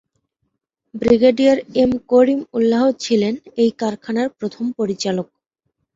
Brigadier M Karim Ullah ছিলেন এই কারখানার প্রথম পরিচালক।।